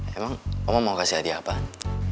emang oma mau kasih adiah apaan